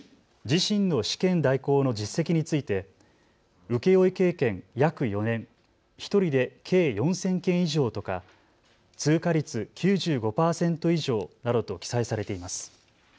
自身の試験代行の実績について請負経験約４年、１人で計４０００件以上とか通過率９５％以上などと記載されています。